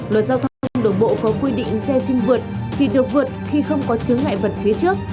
luật giao thông đường bộ có quy định xe sinh vượt chỉ được vượt khi không có chứng ngại vật phía trước